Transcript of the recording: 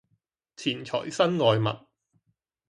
錢財身外物